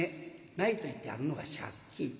ないと言ってあるのが借金。